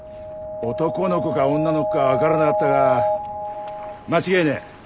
男の子か女の子か分からなかったが間違いねえ。